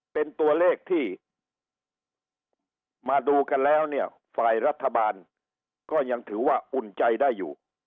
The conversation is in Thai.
เป็นตัวเลขที่มาดูกันแล้วเนี่ยฝ่ายรัฐบาลก็ยังถือว่าอุ่นใจได้อยู่